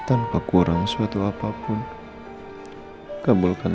ini papa yang untuk kamu sayang